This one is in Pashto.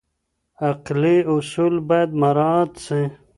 عقلي اصول باید مراعات سي.